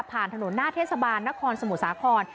ถนนหน้าเทศบาลนครสมุทรสาคร